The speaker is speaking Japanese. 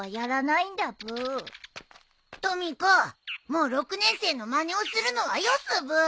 もう６年生のまねをするのはよすブー。